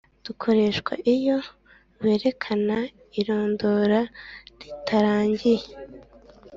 dukoreshwa iyo berekana irondora ritarangiye,